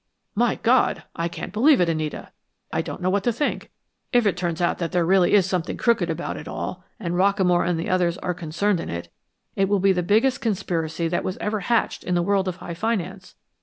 "My God! I can't believe it, Anita; I don't know what to think. If it turns out that there really is something crooked about it all, and Rockamore and the others are concerned in it, it will be the biggest conspiracy that was ever hatched in the world of high finance.